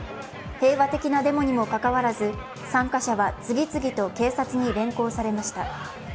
平和的なデモにもかかわらず、参加者は次々と警察に連行されました。